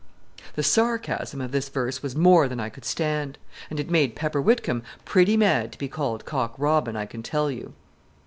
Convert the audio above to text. The sarcasm of this verse was more than I could stand. And it made Pepper Whitcomb pretty mad to be called Cock Robin, I can tell you!